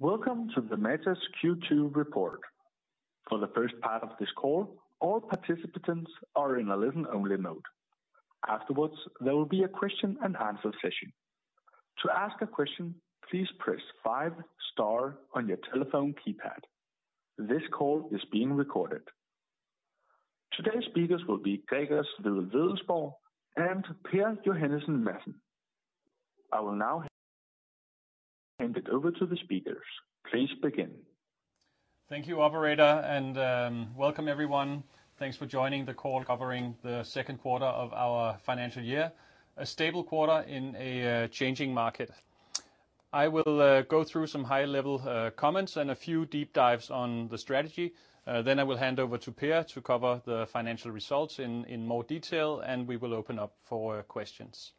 Welcome to the Matas Q2 report. For the first part of this call, all participants are in a listen-only mode. Afterwards, there will be a question and answer session. To ask a question, please press five star on your telephone keypad. This call is being recorded. Today's speakers will be Gregers Wedell-Wedellsborg and Per Johannesen Madsen. I will now hand it over to the speakers. Please begin. Thank you, operator, and welcome everyone. Thanks for joining the call covering the second quarter of our financial year, a stable quarter in a changing market. I will go through some high-level comments and a few deep dives on the strategy, then I will hand over to Per to cover the financial results in more detail, and we will open up for questions.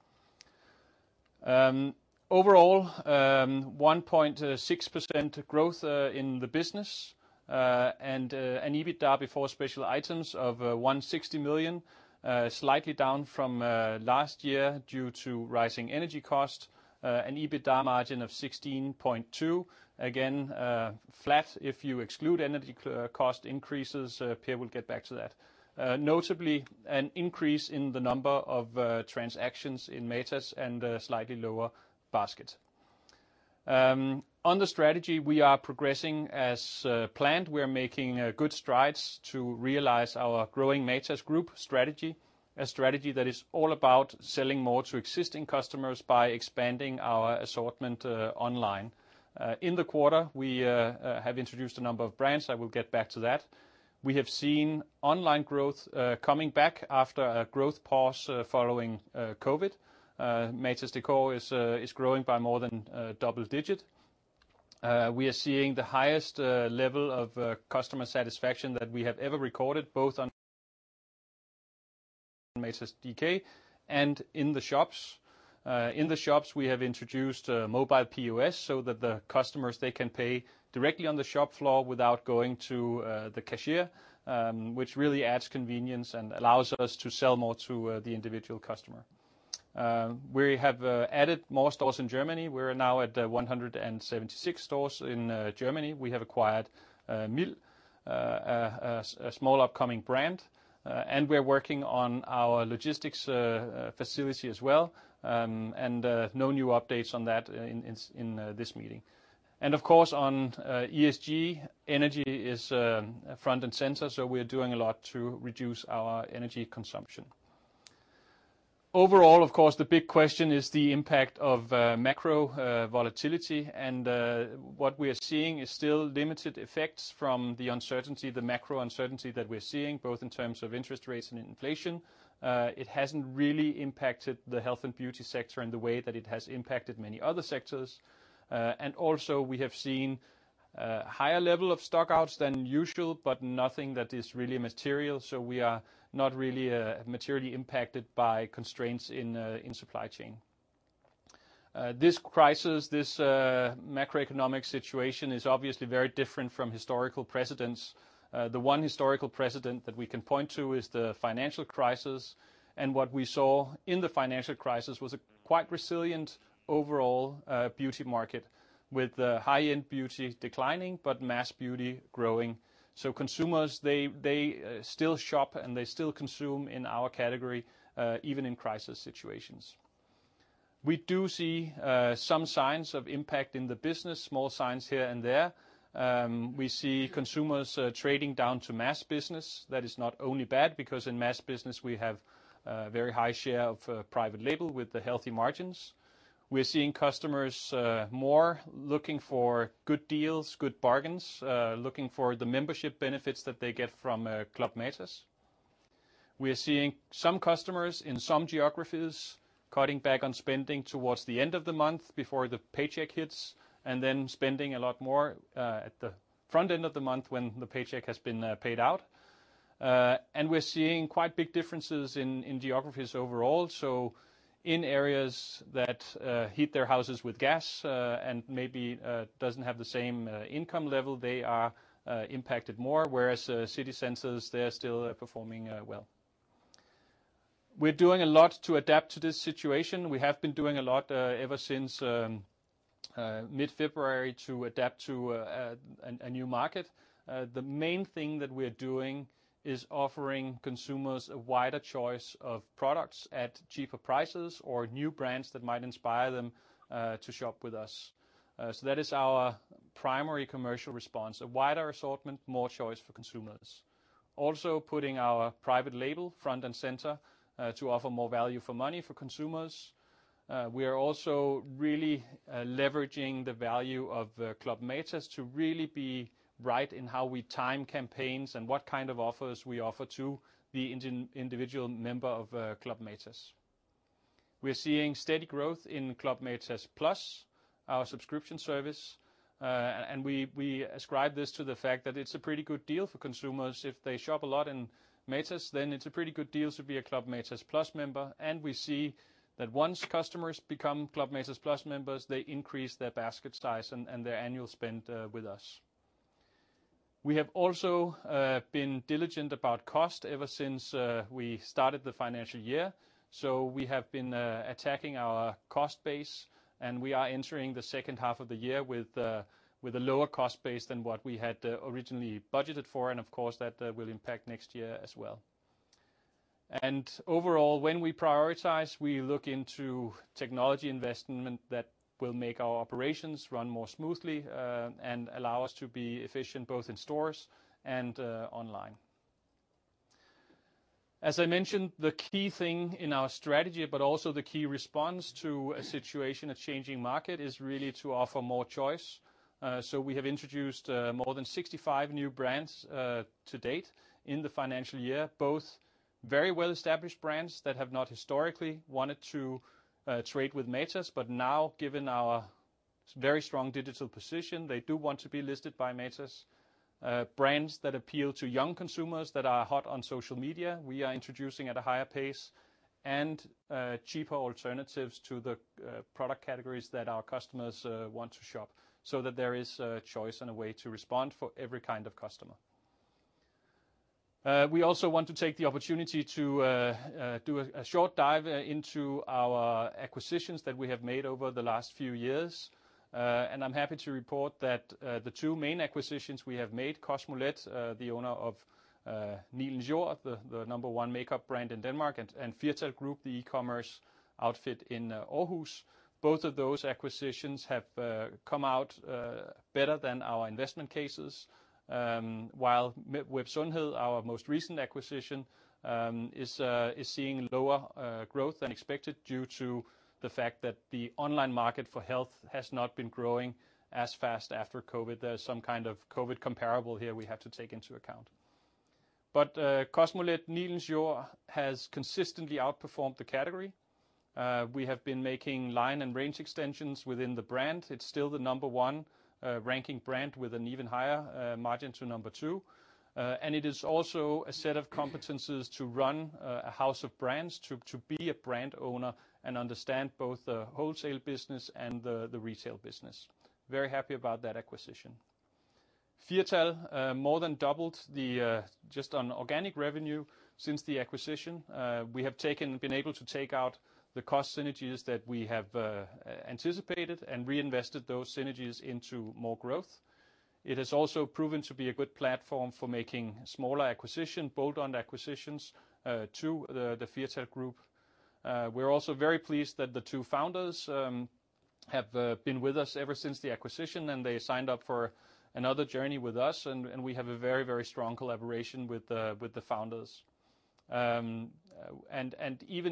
Overall, 1.6% growth in the business, and an EBITDA before special items of 160 million, slightly down from last year due to rising energy costs, an EBITDA margin of 16.2%. Again, flat if you exclude energy cost increases. Per will get back to that. Notably, an increase in the number of transactions in Matas and a slightly lower basket. On the strategy, we are progressing as planned. We are making good strides to realize our growing Matas Group strategy, a strategy that is all about selling more to existing customers by expanding our assortment online. In the quarter, we have introduced a number of brands. I will get back to that. We have seen online growth coming back after a growth pause following COVID. Matas Decor is growing by more than double-digit. We are seeing the highest level of customer satisfaction that we have ever recorded, both on matas.dk and in the shops. In the shops, we have introduced a mobile POS so that the customers, they can pay directly on the shop floor without going to the cashier, which really adds convenience and allows us to sell more to the individual customer. We have added more stores in Germany. We're now at 176 stores in Germany. We have acquired Miild, a small upcoming brand, and we're working on our logistics facility as well. No new updates on that in this meeting. Of course, on ESG, energy is front and center, so we're doing a lot to reduce our energy consumption. Overall, of course, the big question is the impact of macro volatility, and what we are seeing is still limited effects from the uncertainty, the macro uncertainty that we're seeing, both in terms of interest rates and inflation. It hasn't really impacted the health and beauty sector in the way that it has impacted many other sectors. Also we have seen higher level of stock outs than usual, but nothing that is really material, so we are not really materially impacted by constraints in supply chain. This crisis, this macroeconomic situation is obviously very different from historical precedents. The one historical precedent that we can point to is the financial crisis. What we saw in the financial crisis was a quite resilient overall beauty market with high-end beauty declining, but mass beauty growing. Consumers still shop, and they still consume in our category, even in crisis situations. We do see some signs of impact in the business, small signs here and there. We see consumers trading down to mass business. That is not only bad, because in mass business we have a very high share of private label with the healthy margins. We're seeing customers more looking for good deals, good bargains, looking for the membership benefits that they get from Club Matas. We are seeing some customers in some geographies cutting back on spending towards the end of the month before the paycheck hits, and then spending a lot more at the front end of the month when the paycheck has been paid out. We're seeing quite big differences in geographies overall. In areas that heat their houses with gas, and maybe doesn't have the same income level, they are impacted more, whereas city centers, they are still performing well. We're doing a lot to adapt to this situation. We have been doing a lot ever since mid-February to adapt to a new market. The main thing that we are doing is offering consumers a wider choice of products at cheaper prices or new brands that might inspire them to shop with us. That is our primary commercial response, a wider assortment, more choice for consumers. Also, putting our private label front and center to offer more value for money for consumers. We are also really leveraging the value of Club Matas to really be right in how we time campaigns and what kind of offers we offer to the individual member of Club Matas. We're seeing steady growth in Club Matas Plus, our subscription service, and we ascribe this to the fact that it's a pretty good deal for consumers. If they shop a lot in Matas, then it's a pretty good deal to be a Club Matas Plus member. We see that once customers become Club Matas Plus members, they increase their basket size and their annual spend with us. We have also been diligent about cost ever since we started the financial year. We have been attacking our cost base, and we are entering the second half of the year with a lower cost base than what we had originally budgeted for, and of course, that will impact next year as well. Overall, when we prioritize, we look into technology investment that will make our operations run more smoothly and allow us to be efficient both in stores and online. As I mentioned, the key thing in our strategy, but also the key response to a situation, a changing market, is really to offer more choice. We have introduced more than 65 new brands to date in the financial year, both very well-established brands that have not historically wanted to trade with Matas, but now, given our very strong digital position, they do want to be listed by Matas. Brands that appeal to young consumers that are hot on social media, we are introducing at a higher pace and, cheaper alternatives to the, product categories that our customers, want to shop, so that there is a choice and a way to respond for every kind of customer. We also want to take the opportunity to, do a short dive into our acquisitions that we have made over the last few years. I'm happy to report that, the two main acquisitions we have made, Kosmolet, the owner of, Nilens Jord, the number one makeup brand in Denmark, and Firtal Group, the e-commerce outfit in, Aarhus, both of those acquisitions have, come out, better than our investment cases. While Web Sundhed, our most recent acquisition, is seeing lower growth than expected due to the fact that the online market for health has not been growing as fast after COVID. There's some kind of COVID comparable here we have to take into account. Kosmolet Nilens Jord has consistently outperformed the category. We have been making line and range extensions within the brand. It's still the number one ranking brand with an even higher margin to number two. It is also a set of competencies to run a house of brands, to be a brand owner and understand both the wholesale business and the retail business. Very happy about that acquisition. Firtal more than doubled the Just on organic revenue since the acquisition, we have been able to take out the cost synergies that we have anticipated and reinvested those synergies into more growth. It has also proven to be a good platform for making smaller acquisition, bolt-on acquisitions, to the Firtal Group. We're also very pleased that the two founders have been with us ever since the acquisition, and they signed up for another journey with us and we have a very, very strong collaboration with the founders. Even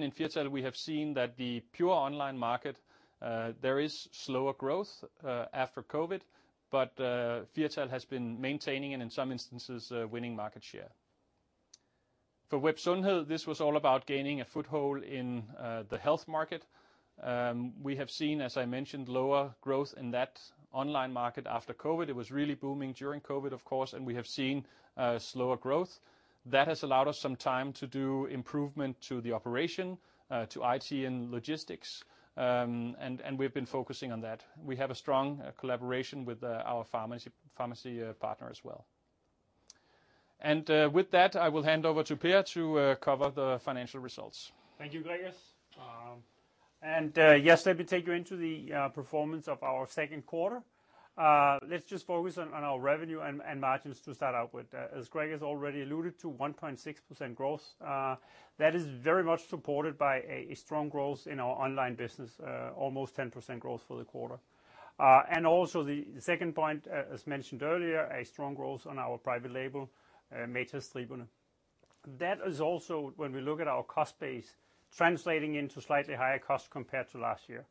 in Firtal, we have seen that the pure online market there is slower growth after COVID, but Firtal has been maintaining and in some instances winning market share. For Web Sundhed, this was all about gaining a foothold in the health market. We have seen, as I mentioned, lower growth in that online market after COVID. It was really booming during COVID, of course, and we have seen slower growth. That has allowed us some time to do improvement to the operation to IT and logistics, and we've been focusing on that. We have a strong collaboration with our pharmacy partner as well. With that, I will hand over to Per to cover the financial results. Thank you, Gregers. Yes, let me take you into the performance of our second quarter. Let's just focus on our revenue and margins to start out with. As Gregers already alluded to, 1.6% growth. That is very much supported by a strong growth in our online business, almost 10% growth for the quarter. Also the second point, as mentioned earlier, a strong growth on our private label, Matas Striberne. That is also when we look at our cost base, translating into slightly higher cost compared to last year.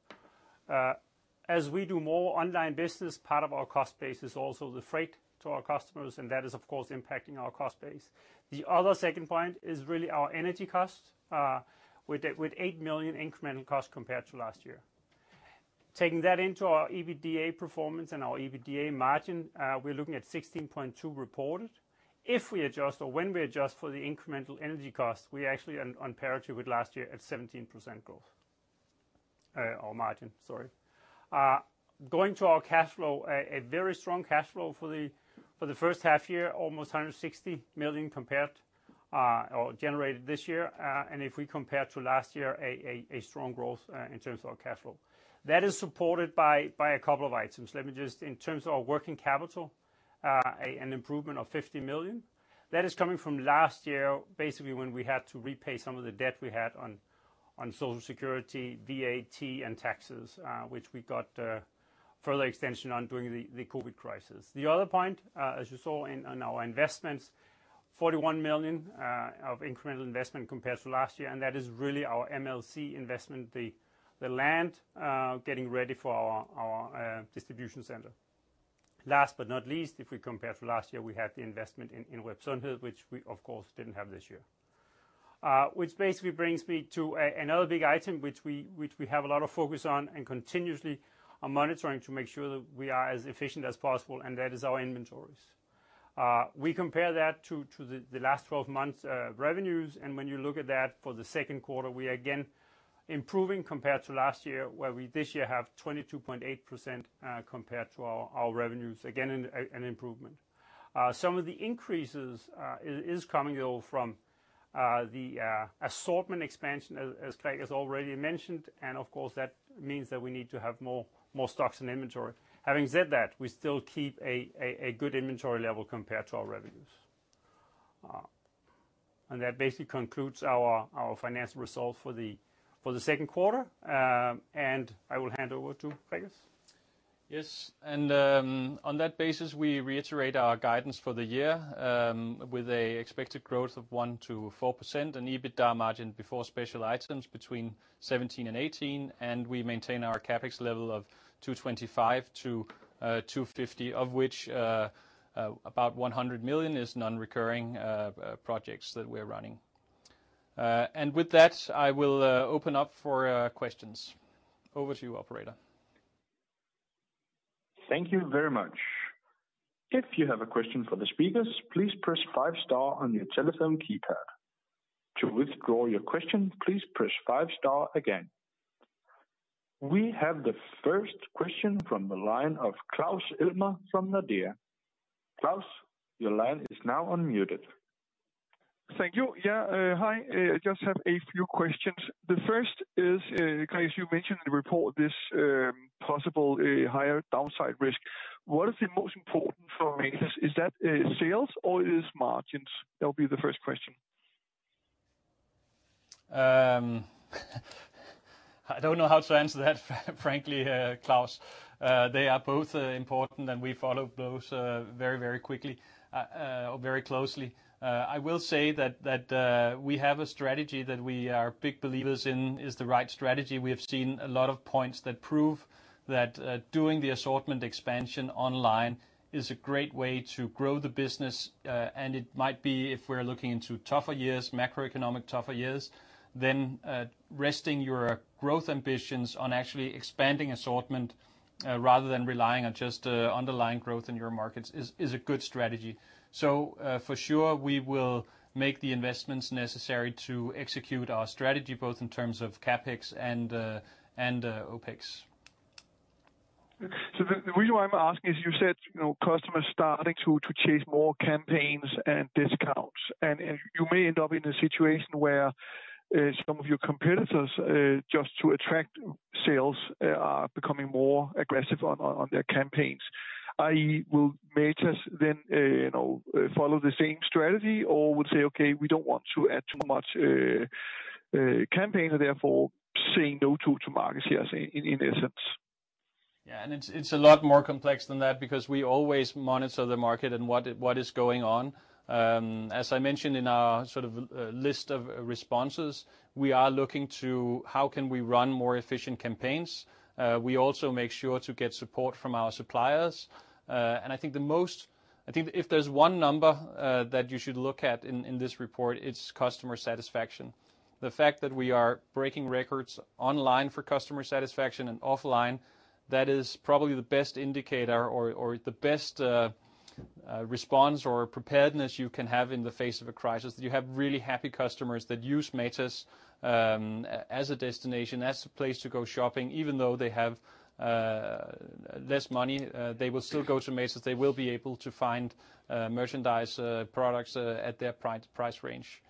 As we do more online business, part of our cost base is also the freight to our customers, and that is of course impacting our cost base. The other second point is really our energy cost with 8 million incremental cost compared to last year. Taking that into our EBITDA performance and our EBITDA margin, we're looking at 16.2% reported. If we adjust or when we adjust for the incremental energy cost, we actually on parity with last year at 17% margin, sorry. Going to our cash flow, a very strong cash flow for the first half year, almost 160 million generated this year. If we compare to last year, a strong growth in terms of our cash flow. That is supported by a couple of items. In terms of our working capital, an improvement of 50 million. That is coming from last year, basically when we had to repay some of the debt we had on Social Security, VAT and taxes, which we got further extension on during the COVID crisis. The other point, as you saw in our investments, 41 million of incremental investment compared to last year, and that is really our MLC investment, the land getting ready for our distribution center. Last but not least, if we compare to last year, we had the investment in Web Sundhed, which we of course didn't have this year. Which basically brings me to another big item which we have a lot of focus on and continuously are monitoring to make sure that we are as efficient as possible, and that is our inventories. We compare that to the last 12 months revenues, and when you look at that for the second quarter, we are again improving compared to last year, where we this year have 22.8% compared to our revenues. Again, an improvement. Some of the increases is coming though from the assortment expansion as Gregers Wedell-Wedellsborg has already mentioned, and of course, that means that we need to have more stocks and inventory. Having said that, we still keep a good inventory level compared to our revenues. That basically concludes our financial results for the second quarter. I will hand over to Gregers Wedell-Wedellsborg. Yes. On that basis, we reiterate our guidance for the year with an expected growth of 1%-4% and EBITDA margin before special items between 17% and 18%, and we maintain our CapEx level of 225 million-250 million, of which about 100 million is non-recurring projects that we're running. With that, I will open up for questions. Over to you, Operator. Thank you very much. If you have a question for the speakers, please press five star on your telephone keypad. To withdraw your question, please press five star again. We have the first question from the line of Claus Almer from Nordea. Claus, your line is now unmuted. Thank you. Yeah, hi. Just have a few questions. The first is, Gregers Wedell-Wedellsborg, you mentioned in the report this possible higher downside risk. What is the most important for Matas? Is that sales or margins? That would be the first question. I don't know how to answer that, frankly, Claus. They are both important, and we follow both very closely. I will say that we have a strategy that we are big believers in is the right strategy. We have seen a lot of points that prove that doing the assortment expansion online is a great way to grow the business, and it might be if we're looking into tougher years, macroeconomic tougher years, then resting your growth ambitions on actually expanding assortment rather than relying on just underlying growth in your markets is a good strategy. For sure, we will make the investments necessary to execute our strategy, both in terms of CapEx and OpEx. The reason why I'm asking is you said, you know, customers starting to chase more campaigns and discounts. You may end up in a situation where some of your competitors just to attract sales are becoming more aggressive on their campaigns. I.e., will Matas then, you know, follow the same strategy or would say, "Okay, we don't want to add too much campaign," and therefore saying no to market shares in essence? Yeah. It's a lot more complex than that because we always monitor the market and what is going on. As I mentioned in our sort of list of responses, we are looking to how can we run more efficient campaigns. We also make sure to get support from our suppliers. I think if there's one number that you should look at in this report, it's customer satisfaction. The fact that we are breaking records online for customer satisfaction and offline, that is probably the best indicator or the best response or preparedness you can have in the face of a crisis, that you have really happy customers that use Matas as a destination, as a place to go shopping. Even though they have less money, they will still go to Matas. They will be able to find merchandise, products at their price range.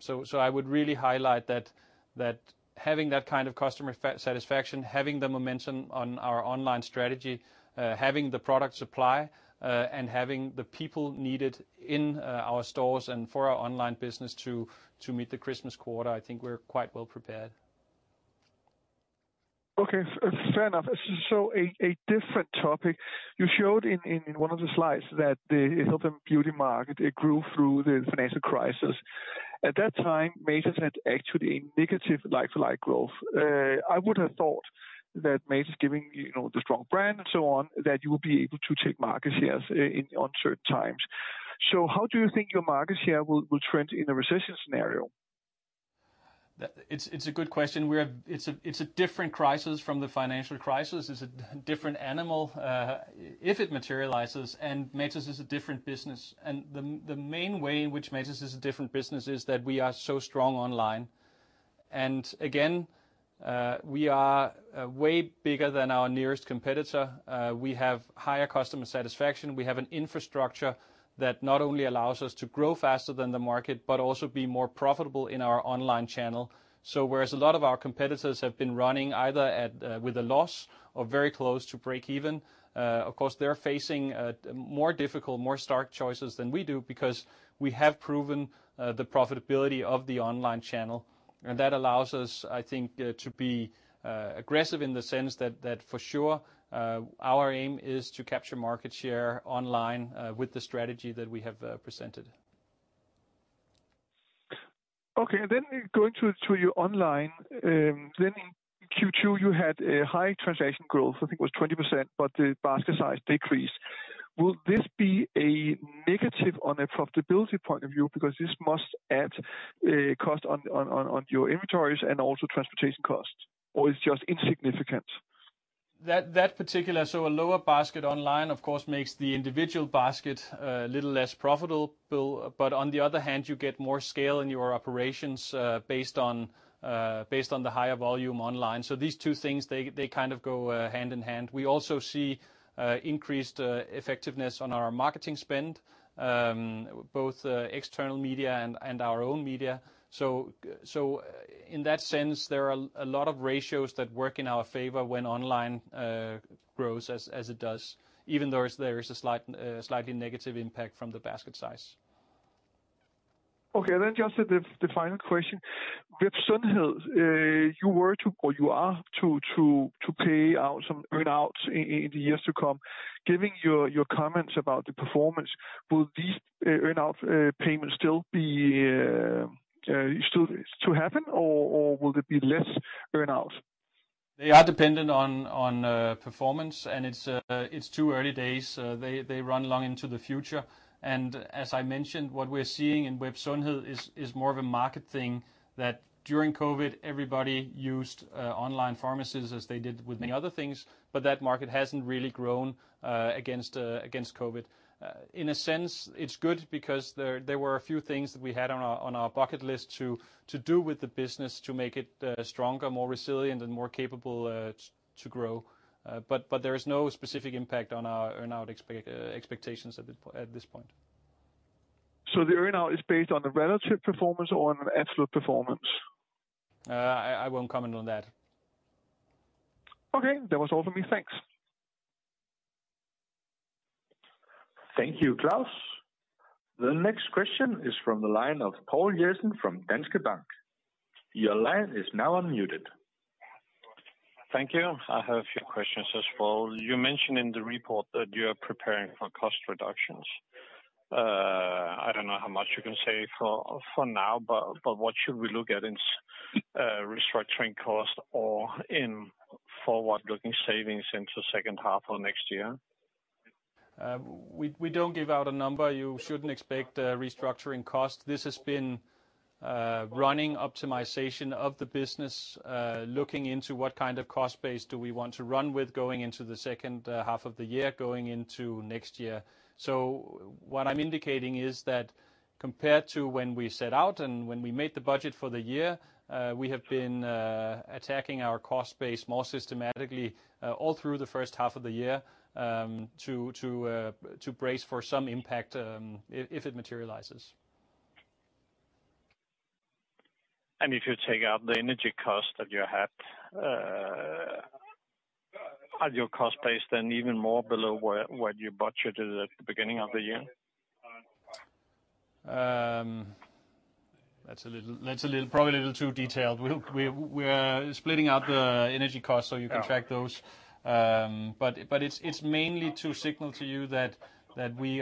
So I would really highlight that, having that kind of customer satisfaction, having the momentum on our online strategy, having the product supply, and having the people needed in our stores and for our online business to meet the Christmas quarter, I think we're quite well prepared. Okay. Fair enough. Different topic. You showed in one of the slides that the health and beauty market, it grew through the financial crisis. At that time, Matas had actually a negative like-for-like growth. I would have thought that Matas giving, you know, the strong brand and so on, that you would be able to take market shares on certain times. How do you think your market share will trend in a recession scenario? It's a good question. It's a different crisis from the financial crisis. It's a different animal, if it materializes, and Matas is a different business. The main way in which Matas is a different business is that we are so strong online. Again, we are way bigger than our nearest competitor. We have higher customer satisfaction. We have an infrastructure that not only allows us to grow faster than the market but also be more profitable in our online channel. Whereas a lot of our competitors have been running either at, with a loss or very close to break even, of course, they're facing more difficult, more stark choices than we do because we have proven the profitability of the online channel. That allows us, I think, to be aggressive in the sense that for sure our aim is to capture market share online with the strategy that we have presented. Going to your online, in Q2, you had a high transaction growth, I think it was 20%, but the basket size decreased. Will this be a negative on a profitability point of view? Because this must add a cost on your inventories and also transportation costs, or it's just insignificant? That particular, so a lower basket online, of course, makes the individual basket a little less profitable. On the other hand, you get more scale in your operations, based on the higher volume online. These two things, they kind of go hand in hand. We also see increased effectiveness on our marketing spend, both external media and our own media. In that sense, there are a lot of ratios that work in our favor when online grows as it does, even though there is a slight, slightly negative impact from the basket size. Okay. Just the final question. With Web Sundhed, you were to, or you are to, pay out some earn-outs in the years to come. Given your comments about the performance, will these earn-outs still be to happen, or will there be less earn-outs? They are dependent on performance, and it's too early days. They run long into the future. As I mentioned, what we're seeing in Web Sundhed is more of a market thing that during COVID, everybody used online pharmacies as they did with many other things, but that market hasn't really grown against COVID. In a sense, it's good because there were a few things that we had on our bucket list to do with the business to make it stronger, more resilient, and more capable to grow. There is no specific impact on our earn-out expectations at this point. The earn-out is based on the relative performance or on absolute performance? I won't comment on that. Okay. That was all for me. Thanks. Thank you, Claus. The next question is from the line of Poul Jessen from Danske Bank. Your line is now unmuted. Thank you. I have a few questions as well. You mentioned in the report that you are preparing for cost reductions. I don't know how much you can say for now, but what should we look at in restructuring costs or in forward-looking savings into second half of next year? We don't give out a number. You shouldn't expect a restructuring cost. This has been running optimization of the business, looking into what kind of cost base do we want to run with going into the second half of the year, going into next year. What I'm indicating is that compared to when we set out and when we made the budget for the year, we have been attacking our cost base more systematically all through the first half of the year, to brace for some impact, if it materializes. If you take out the energy cost that you had, are your cost base then even more below where you budgeted at the beginning of the year? That's probably a little too detailed. We are splitting out the energy cost so you can track those. It's mainly to signal to you that we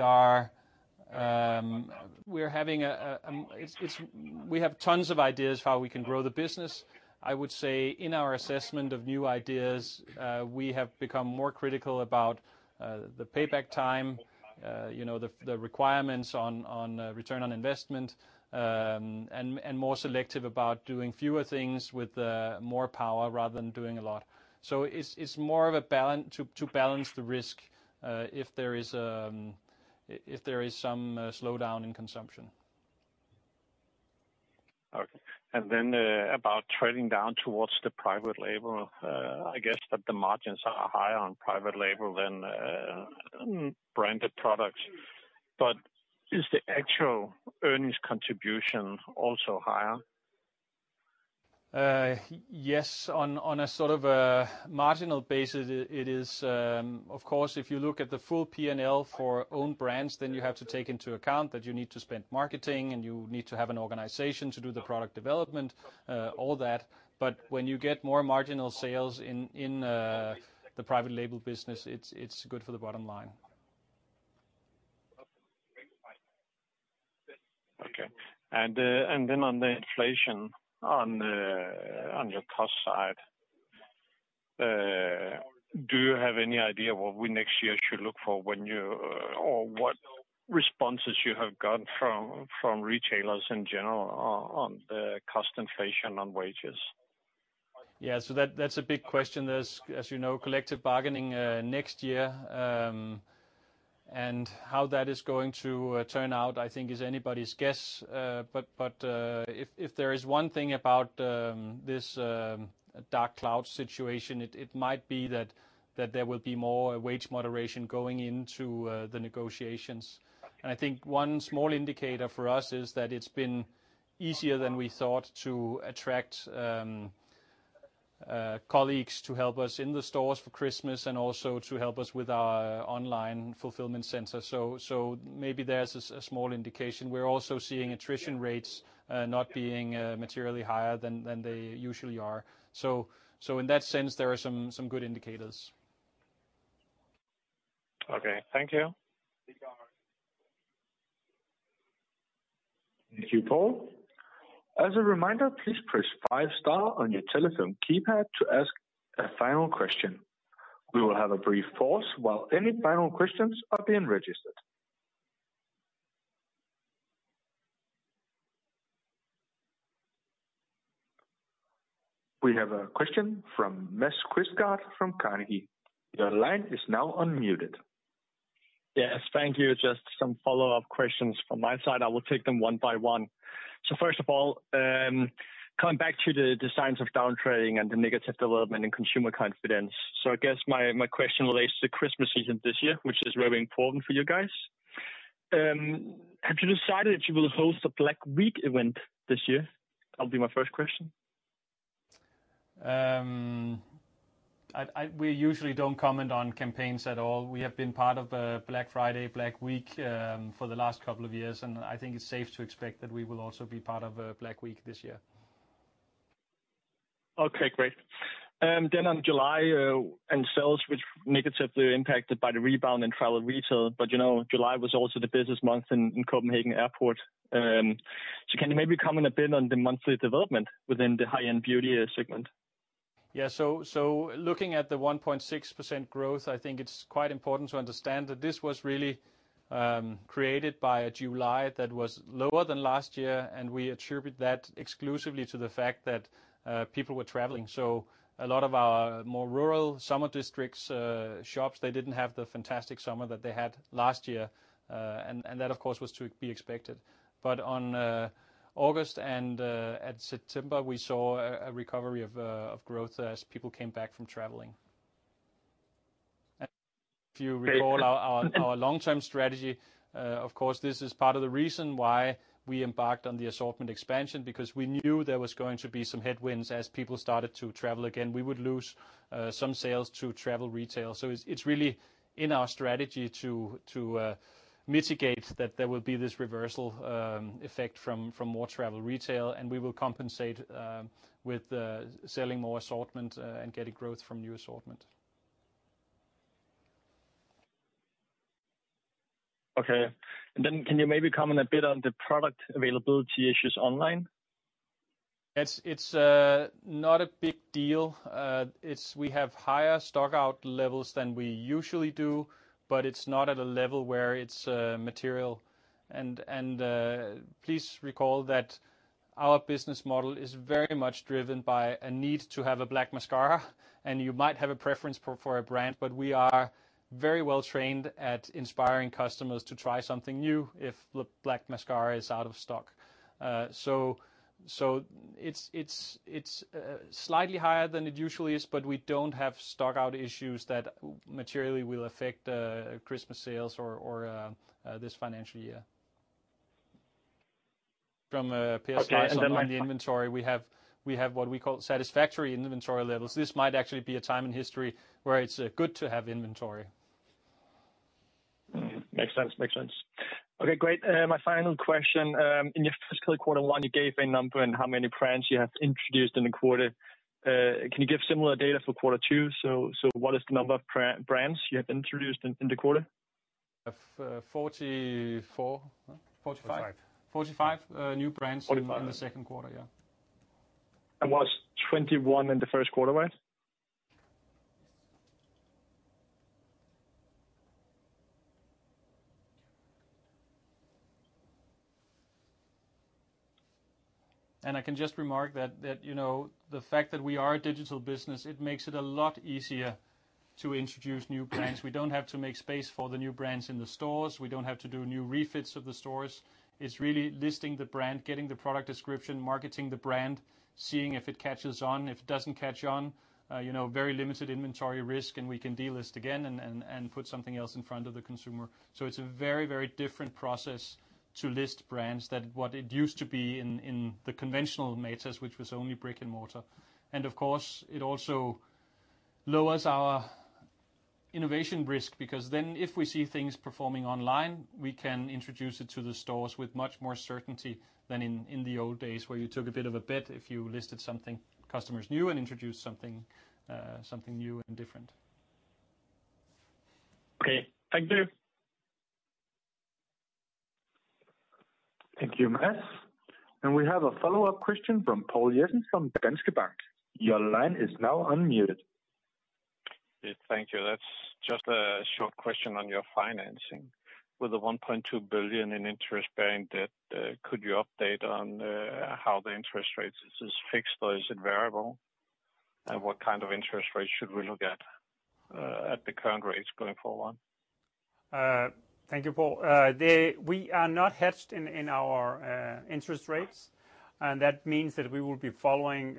have tons of ideas how we can grow the business. I would say in our assessment of new ideas, we have become more critical about the payback time, you know, the requirements on return on investment, and more selective about doing fewer things with more power rather than doing a lot. It's more of a balance to balance the risk, if there is some slowdown in consumption. Okay. About trading down towards the private label, I guess that the margins are higher on private label than branded products. Is the actual earnings contribution also higher? On a sort of a marginal basis, it is, of course, if you look at the full P&L for own brands, then you have to take into account that you need to spend marketing and you need to have an organization to do the product development, all that. When you get more marginal sales in the private label business, it's good for the bottom line. On the inflation on your cost side, do you have any idea what we next year should look for or what responses you have gotten from retailers in general on the cost inflation on wages? That's a big question. There's, as you know, collective bargaining next year, and how that is going to turn out, I think, is anybody's guess. If there is one thing about this dark cloud situation, it might be that there will be more wage moderation going into the negotiations. I think one small indicator for us is that it's been easier than we thought to attract colleagues to help us in the stores for Christmas and also to help us with our online fulfillment center. Maybe there's a small indication. We're also seeing attrition rates not being materially higher than they usually are. In that sense, there are some good indicators. Okay. Thank you. Thank you, Poul. As a reminder, please press five star on your telephone keypad to ask a final question. We will have a brief pause while any final questions are being registered. We have a question from Mads Quistgaard from Carnegie. Your line is now unmuted. Yes, thank you. Just some follow-up questions from my side. I will take them one by one. First of all, coming back to the signs of downtrending and the negative development in consumer confidence. I guess my question relates to Christmas season this year, which is very important for you guys. Have you decided if you will host a Black Week event this year? That'll be my first question. We usually don't comment on campaigns at all. We have been part of Black Friday, Black Week for the last couple of years, and I think it's safe to expect that we will also be part of Black Week this year. Okay, great. On July and sales which negatively were impacted by the rebound in travel retail, but you know, July was also the busiest month in Copenhagen Airport. Can you maybe comment a bit on the monthly development within the high-end beauty segment? Looking at the 1.6% growth, I think it's quite important to understand that this was really created by a July that was lower than last year, and we attribute that exclusively to the fact that people were traveling. A lot of our more rural summer districts' shops didn't have the fantastic summer that they had last year. That, of course, was to be expected. On August and in September, we saw a recovery of growth as people came back from traveling. If you recall our long-term strategy, of course, this is part of the reason why we embarked on the assortment expansion because we knew there was going to be some headwinds as people started to travel again. We would lose some sales to travel retail. It's really in our strategy to mitigate that there will be this reversal effect from more travel retail, and we will compensate with selling more assortment and getting growth from new assortment. Okay. Can you maybe comment a bit on the product availability issues online? It's not a big deal. We have higher stock out levels than we usually do, but it's not at a level where it's material. Please recall that our business model is very much driven by a need to have a black mascara, and you might have a preference for a brand, but we are very well trained at inspiring customers to try something new if the black mascara is out of stock. It's slightly higher than it usually is, but we don't have stock out issues that materially will affect Christmas sales or this financial year. From a supply perspective on the inventory we have, we have what we call satisfactory inventory levels. This might actually be a time in history where it's good to have inventory. Makes sense. Okay, great. My final question, in your fiscal quarter one, you gave a number on how many brands you have introduced in the quarter. Can you give similar data for quarter two? What is the number of brands you have introduced in the quarter? 44. 45. 45 new brands. 45. In the second quarter, yeah. Was 21 in the first quarter, right? I can just remark that you know, the fact that we are a digital business, it makes it a lot easier to introduce new brands. We don't have to make space for the new brands in the stores. We don't have to do new refits of the stores. It's really listing the brand, getting the product description, marketing the brand, seeing if it catches on. If it doesn't catch on, you know, very limited inventory risk, and we can delist again and put something else in front of the consumer. It's a very, very different process to list brands than what it used to be in the conventional Matas, which was only brick and mortar. Of course, it also lowers our innovation risk because then if we see things performing online, we can introduce it to the stores with much more certainty than in the old days, where you took a bit of a bet if you listed something customers knew and introduced something new and different. Okay. Thank you. Thank you, Mads. We have a follow-up question from Poul Jessen from Danske Bank. Your line is now unmuted. Yes, thank you. That's just a short question on your financing. With the 1.2 billion in interest-bearing debt, could you update on how the interest rates is fixed or is it variable? What kind of interest rates should we look at at the current rates going forward? Thank you, Poul. We are not hedged in our interest rates, and that means that we will be following,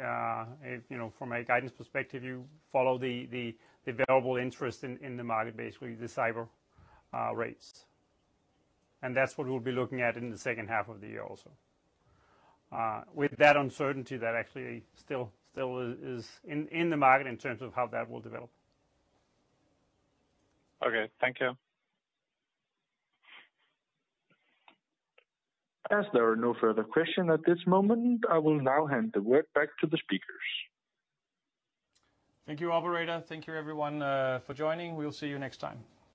if, you know, from a guidance perspective, you follow the variable interest in the market, basically the CIBOR rates. That's what we'll be looking at in the second half of the year also. With that uncertainty that actually still is in the market in terms of how that will develop. Okay. Thank you. As there are no further question at this moment, I will now hand the word back to the speakers. Thank you, Operator. Thank you everyone, for joining. We'll see you next time.